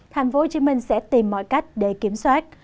tp hcm sẽ tìm mọi cách để kiểm soát